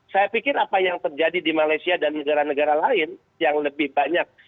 saya pikir apa yang terjadi di malaysia dan negara negara lain yang lebih banyak